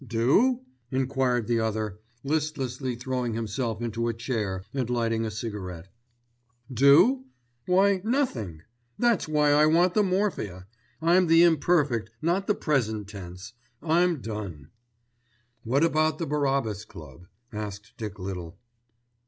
"Do?" enquired the other, listlessly throwing himself into a chair and lighting a cigarette. "Do? Why, nothing. That's why I want the morphia. I'm the imperfect, not the present tense. I'm done." "How about the Barabbas Club?" asked Dick Little.